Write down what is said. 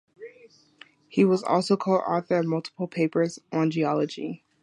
He was also co-author of multiple papers on Geology.